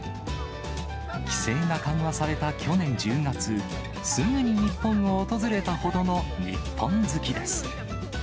規制が緩和された去年１０月、すぐに日本を訪れたほどの日本好きです。